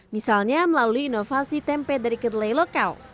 misalnya melalui inovasi tempe dari kedelai lokal